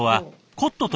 コット。